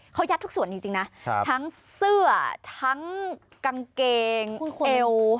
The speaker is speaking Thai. เขายัดทุกส่วนจริงนะทั้งเสื้อทั้งกางเกงเอว